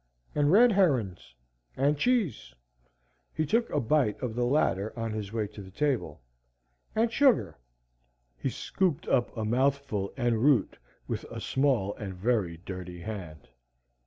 And red herons. And cheese." He took a bite of the latter on his way to the table. "And sugar." He scooped up a mouthful en route with a small and very dirty hand.